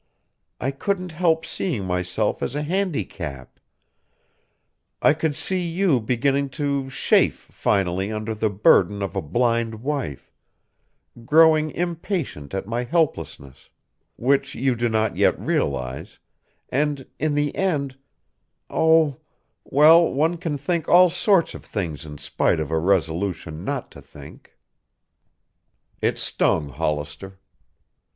I couldn't help seeing myself as a handicap. I could see you beginning to chafe finally under the burden of a blind wife, growing impatient at my helplessness which you do not yet realize and in the end oh, well, one can think all sorts of things in spite of a resolution not to think." It stung Hollister.